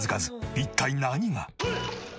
一体何が。